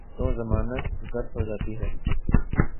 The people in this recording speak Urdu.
تو ضمانت ضبط ہو جاتی ہے۔